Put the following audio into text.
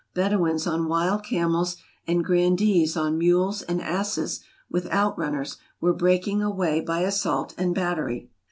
Bedouins on wild camels, and grandees on mules and asses, with outrunners, were breaking a way by assault and battery.